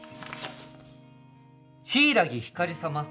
柊ひかり様